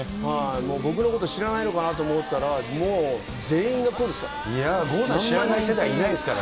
もう僕のこと知らないのかなと思ったら、もう、全員がこうですから。